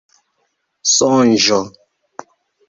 sonĝo